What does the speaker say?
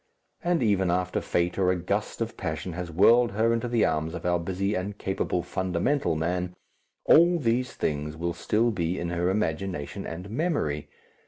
And even after Fate or a gust of passion has whirled her into the arms of our busy and capable fundamental man, all these things will still be in her imagination and memory.